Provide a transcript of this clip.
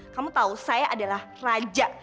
kamu tahu saya adalah raja